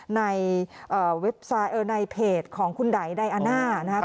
ในเว็บไซต์ในเพจของคุณไดอาน่านะครับ